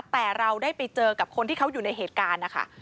แต่เราได้ไปเจอกับคนที่เขาอยู่ในเหตุการณ์นะคะ